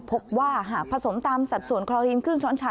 พบว่าหากผสมตามสัดส่วนคลอลินครึ่งช้อนชา